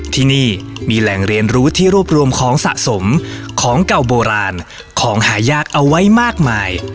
ที่นี่มีแหล่งเรียนรู้ที่รวบรวมของสะสมของเก่าโบราณของหายากเอาไว้มากมาย